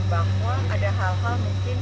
bahwa ada hal hal mungkin